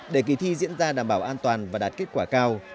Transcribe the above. để kỳ thi diễn ra đảm bảo an toàn và đạt kết quả kỳ thi